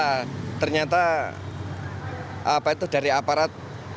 nah ternyata dari aparat